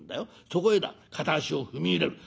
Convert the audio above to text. そこへだ片足を踏み入れる。